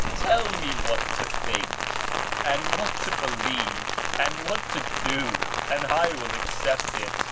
Tell me what to think, and what to believe, and what to do, and I will accept it."